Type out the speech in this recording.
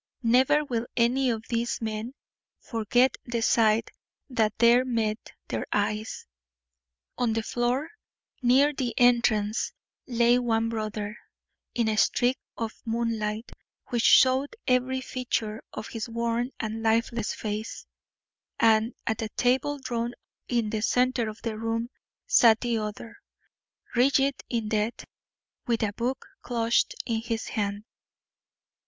Never will any of these men forget the sight that there met their eyes. On the floor near the entrance lay one brother, in a streak of moonlight, which showed every feature of his worn and lifeless face, and at a table drawn up in the centre of the room sat the other, rigid in death, with a book clutched in his hand.